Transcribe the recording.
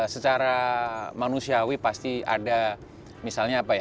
secara manusiawi pasti ada misalnya apa ya